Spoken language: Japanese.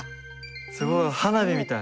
すごい花火みたい。